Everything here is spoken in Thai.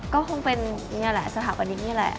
ก็คงเป็นนี่แหละสถาปนิกนี่แหละ